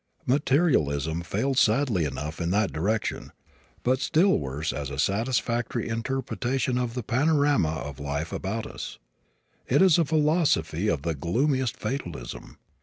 Materialism fails sadly enough in that direction, but still worse as a satisfactory interpretation of the panorama of the life about us. It is a philosophy of the gloomiest fatalism.